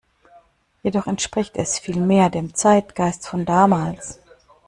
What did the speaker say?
Jedoch entspricht es viel mehr dem Zeitgeist von damals.